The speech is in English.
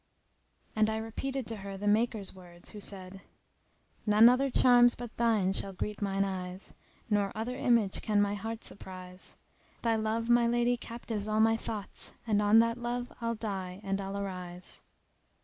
And I repeated to her the maker's words who said:— "None other charms but thine shall greet mine eyes, * Nor other image can my heart surprise: Thy love, my lady, captives all my thoughts * And on that love I'll die and I'll arise.